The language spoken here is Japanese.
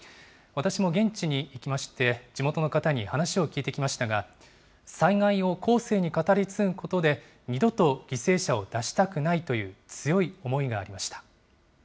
私も現地に行きまして、地元の方の話を聞いてきましたが、災害を後世に語り継ぐことで、二度と犠牲者を出したくないという強い思いがありました。